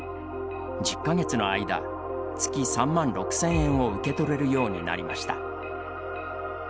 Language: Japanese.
１０か月の間月３万６０００円を受け取れるようになりました。